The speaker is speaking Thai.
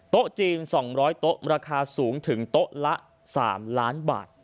โต๊ะจีน๒๐๐โต๊ะราคาสูงถึงโต๊ะละ๓ล้านบาท